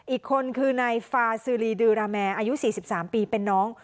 อีกคนคือนายฟาซือรีดือราแมร์อายุ๔๓ปีเป็นน้อง